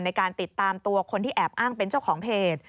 ในการติดตามตัวคนที่แอบอ้างเป็นเจ้าของเพจ